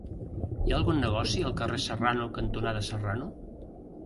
Hi ha algun negoci al carrer Serrano cantonada Serrano?